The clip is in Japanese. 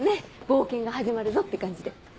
冒険が始まるぞって感じで。